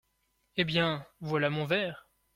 Eh bien, voilà mon ver !…